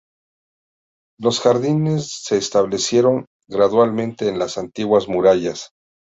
Los jardines se establecieron gradualmente en las antiguas murallas.